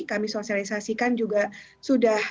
kami sosialisasikan juga sudah